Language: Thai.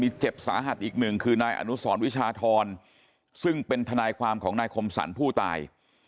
เจ็บสาหัสอีกหนึ่งคือนายอนุสรวิชาธรซึ่งเป็นทนายความของนายคมสรรผู้ตาย